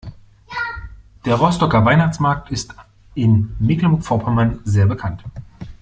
Der Rostocker Weihnachtsmarkt ist in Mecklenburg-Vorpommern sehr bekannt.